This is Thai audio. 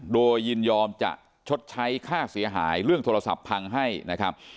โดยยินยอมจะชดใช้ค่าเสียหายเรื่องโทรศัพท์พังให้นะครับ